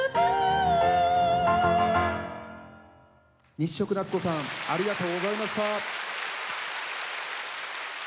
日食なつこさんありがとうございました。